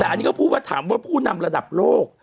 แต่อันนี้ก็พูดว่าถามว่าผู้นำระดับโลก